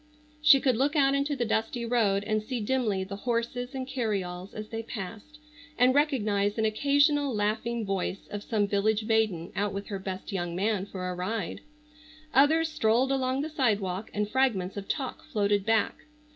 She could look out into the dusty road and see dimly the horses and carryalls as they passed, and recognize an occasional laughing voice of some village maiden out with her best young man for a ride. Others strolled along the sidewalk, and fragments of talk floated back.